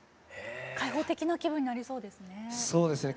開放的な気分になりそうですね。